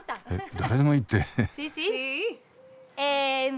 「誰でもいい」って。